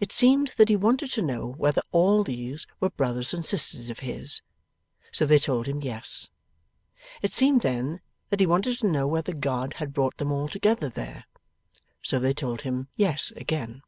It seemed that he wanted to know whether all these were brothers and sisters of his? So they told him yes. It seemed then, that he wanted to know whether God had brought them all together there? So they told him yes again.